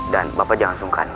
dan bapak jangan sungkan